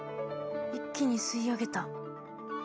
一気に吸い上げた。